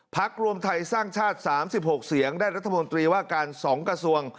รวมไทยสร้างชาติ๓๖เสียงได้รัฐมนตรีว่าการ๒กระทรวง